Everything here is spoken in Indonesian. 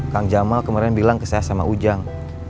kang jamal kemarin bilang ke saya sama ujang